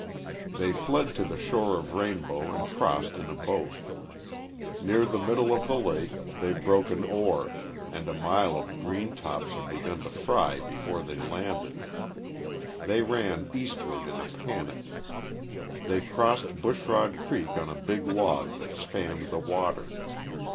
They fled to the shore of Rainbow and crossed in a boat. Near the middle of the lake they broke an oar, and a mile of green tops had begun to "fry" before they landed. They ran eastward in a panic. They crossed Bushrod Creek on a big log that spanned the water.